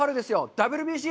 ＷＢＣ！